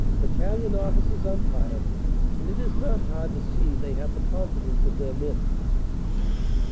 Battalion officers umpire, and it is not hard to see they have the confidence of their men.